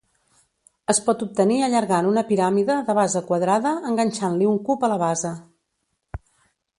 Es pot obtenir allargant una piràmide de base quadrada enganxant-li un cub a la base.